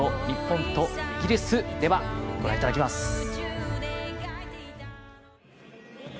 日本とイギリスでは、ご覧いただきます。